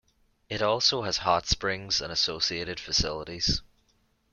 It also has hot springs and associated facilities.